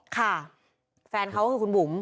ค่ะแฟนเขาก็คือคุณบุ๋ม